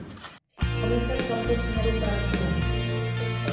Komise v tomto směru pracuje.